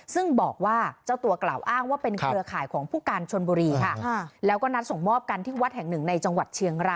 ซึ่งบอกว่าเจ้าตัวกล่าวอ้างว่าเป็นเครือข่ายของผู้การชนบุรีค่ะแล้วก็นัดส่งมอบกันที่วัดแห่งหนึ่งในจังหวัดเชียงราย